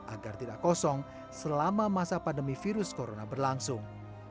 agar tidak kosong selama masa pandemi virus corona berlangsung